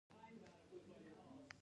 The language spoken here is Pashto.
اصلاح شوي تخمونه ویشل کیږي.